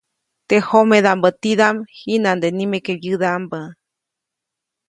Teʼ jomedaʼmbä tidaʼm, jiʼnande nimeke wyädaʼmbä.